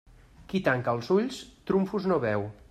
Qui tanca els ulls, trumfos no veu.